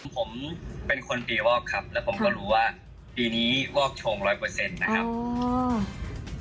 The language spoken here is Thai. ผมเป็นคนปีวอกครับแล้วผมก็รู้ว่าปีนี้วอกชง๑๐๐นะครับ